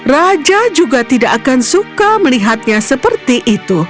raja juga tidak akan suka melihatnya seperti itu